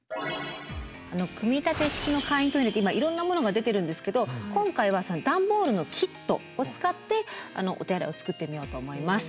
組み立て式の簡易トイレって今いろんなものが出てるんですけど今回は段ボールのキットを使ってお手洗いを作ってみようと思います。